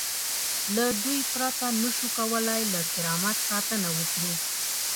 له دوی پرته نشو کولای له کرامت ساتنه وکړو.